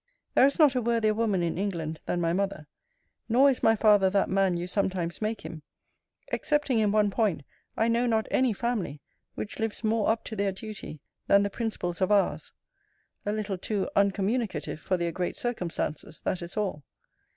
There is not a worthier woman in England than my mother. Nor is my father that man you sometimes make him. Excepting in one point, I know not any family which lives more up to their duty, than the principals of ours. A little too uncommunicative for their great circumstances that is all.